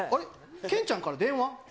けんちゃんから電話。